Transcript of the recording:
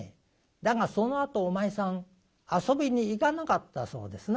だがそのあとお前さん遊びに行かなかったそうですな。